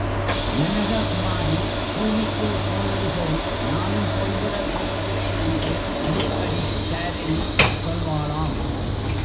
ஜனக குமாரி பூமிக்குள் போனது போல் நானும் போய்விட விரும்புகிறேன்! என்று அடிக்கடி தாரிணி சொல்வாளாம்!